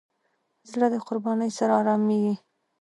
زړه د قربانۍ سره آرامېږي.